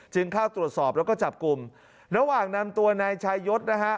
เข้าตรวจสอบแล้วก็จับกลุ่มระหว่างนำตัวนายชายศนะฮะ